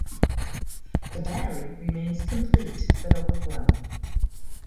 The battery remains complete but overgrown.